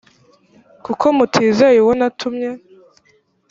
kuko mutizeye uwo natumye